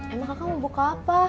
emang kakak mau buka apa